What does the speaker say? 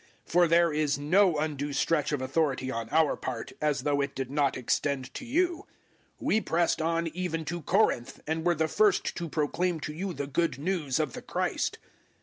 010:014 For there is no undue stretch of authority on our part, as though it did not extend to you. We pressed on even to Corinth, and were the first to proclaim to you the Good News of the Christ.